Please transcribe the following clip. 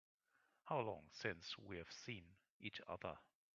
How long since we've seen each other?